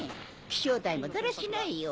気象台もだらしないよ